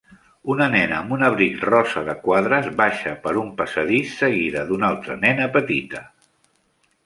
Una nena amb un abric rosa de quadres baixa per un passadís, seguida d'una altra nena petita.